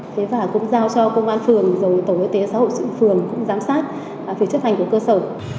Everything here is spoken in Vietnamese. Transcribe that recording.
thế và cũng giao cho công an phường rồi tổ y tế xã hội sự phường cũng giám sát về chấp hành của cơ sở